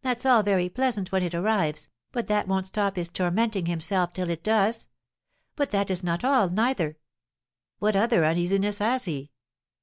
"That's all very pleasant when it arrives, but that won't stop his tormenting himself till it does. But that is not all, neither." "What other uneasiness has he?"